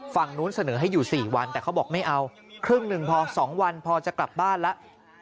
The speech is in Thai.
ฝั่งนู้นเสนอให้อยู่๔วันแต่เขาบอกไม่เอาครึ่งหนึ่งพอ๒วันพอจะกลับบ้านแล้ว